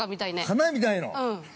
◆花見たいの？